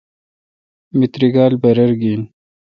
می تری کالہ برر گھن۔